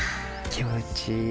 気持ちいい。